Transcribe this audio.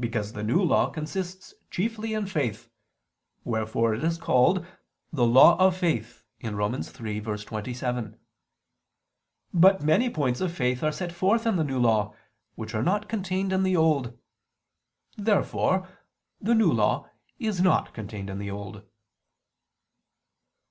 Because the New Law consists chiefly in faith: wherefore it is called the "law of faith" (Rom. 3:27). But many points of faith are set forth in the New Law, which are not contained in the Old. Therefore the New Law is not contained in the Old.